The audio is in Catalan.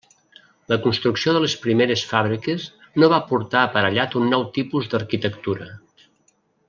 La construcció de les primeres fàbriques no va portar aparellat un nou tipus d'arquitectura.